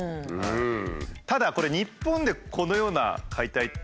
ただこれ日本でこのような解体って。